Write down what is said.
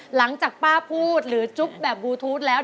หลังจากป้าพูดหรือจุ๊บแบบบลูทูธแล้ว